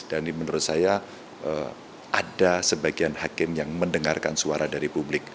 dan menurut saya ada sebagian hakim yang mendengarkan suara dari publik